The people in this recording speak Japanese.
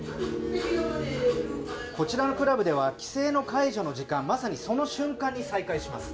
こちらのクラブでは規制の解除のまさにその瞬間に再開します。